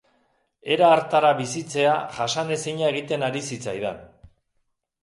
Era hartara bizitzea jasanezina egiten ari zitzaidan.